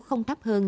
không thấp hơn